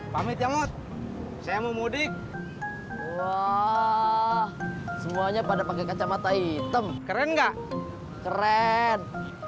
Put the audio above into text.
pamit ya mas saya mau mudik wah semuanya pada pakai kacamata hitam keren nggak keren